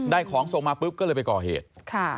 ของส่งมาปุ๊บก็เลยไปก่อเหตุ